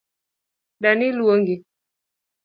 Dani luongi